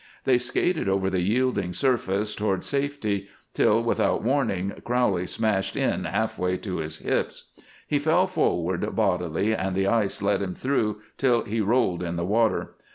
They skated over the yielding surface toward safety till, without warning, Crowley smashed in half way to his hips. He fell forward bodily, and the ice let him through till he rolled in the water.